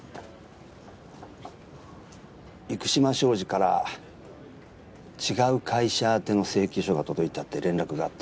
幾島商事から違う会社宛ての請求書が届いたって連絡があった。